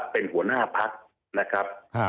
เป็นหัวหน้าพักนะครับ